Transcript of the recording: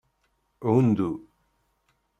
Hundu.